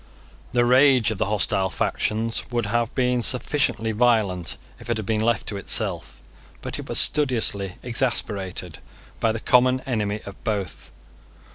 The rage of the hostile factions would have been sufficiently violent, if it had been left to itself. But it was studiously exasperated by the common enemy of both.